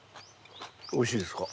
おいしいですか？